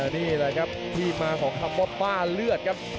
นี่แหละครับหมาของเพิ่มแบบล่ะเลือดครับ